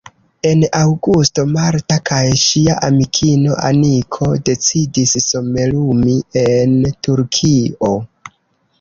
En aŭgusto Marta kaj ŝia amikino Aniko decidis somerumi en Turkio.